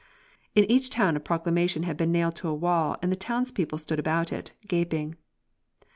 In each town a proclamation had been nailed to a wall and the townspeople stood about it, gaping.